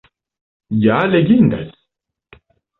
Ja legindas!